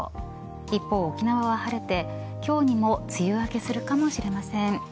一方、沖縄は晴れて今日にも梅雨明けするかもしれません。